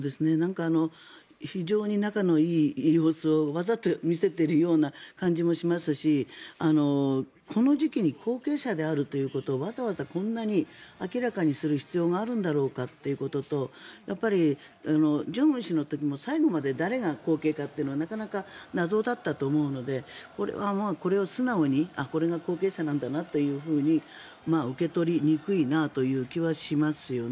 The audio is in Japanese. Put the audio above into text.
非常に仲のいい様子をわざと見せているような感じもしますしこの時期に後継者であるということをわざわざこんなに明らかにする必要があるんだろうかということと正恩氏の時も最後まで誰が後継かというのは謎だったと思うのでこれを素直にこれが後継者なんだなと受け取りにくいなという気はしますよね。